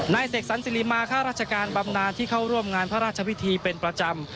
เสกสรรสิริมาข้าราชการบำนานที่เข้าร่วมงานพระราชพิธีเป็นประจำ